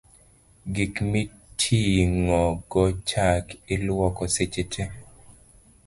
gik miting'ogo chak iluoko seche te